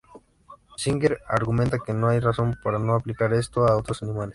Singer argumenta que no hay razón para no aplicar esto a otros animales.